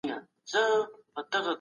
د کائناتو د شيانو پوهه لویه سرمايه ده.